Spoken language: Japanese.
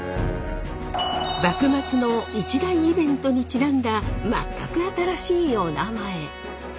幕末の一大イベントにちなんだ全く新しいおなまえ。